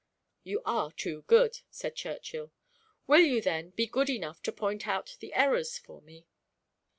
"You are too good," said Churchill. "Will you then be good enough to point out the errors for me?"